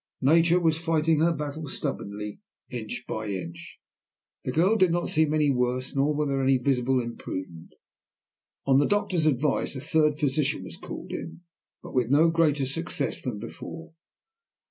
Nature was fighting her battle stubbornly, inch by inch. The girl did not seem any worse, nor was there any visible improvement. On the doctor's advice a third physician was called in, but with no greater success than before.